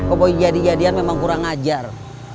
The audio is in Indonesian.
oh jadi jadian memang kurang ajar